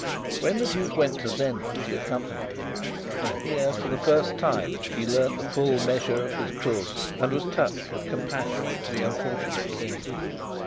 When the duke went to Zenda, she accompanied him; and here for the first time she learnt the full measure of his cruelty, and was touched with compassion for the unfortunate King.